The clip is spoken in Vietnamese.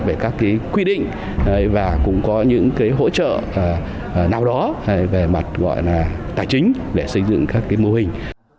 về các quy định và cũng có những hỗ trợ nào đó về mặt gọi là tài chính để xây dựng các mô hình